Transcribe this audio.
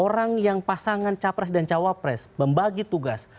orang yang pasangan capres dan cawapres membagi tugas